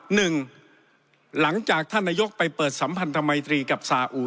หนึ่งหลังจากท่านนายกไปเปิดสัมพันธมัยตรีกับสาอุ